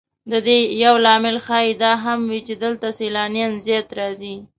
د دې یو لامل ښایي دا هم وي چې دلته سیلانیان زیات راځي.